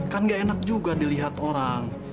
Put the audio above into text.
kan gak enak juga dilihat orang